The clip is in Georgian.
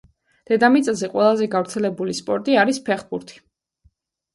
დედამიწაზე ყველაზე გავრცელებული სპორტი არის ფეხბურთი.